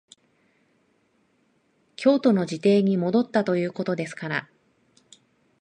京都の自邸に戻ったということですから、